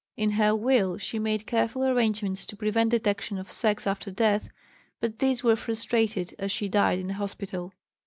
In her will she made careful arrangements to prevent detection of sex after death, but these were frustrated, as she died in a hospital.